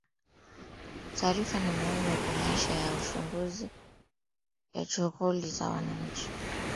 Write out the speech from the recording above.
taarifa ni muhimu kwa maisha na shughuli za wananchi